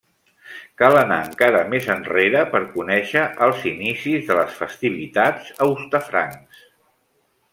Cal anar encara més enrere per conèixer els inicis de les festivitats a Hostafrancs.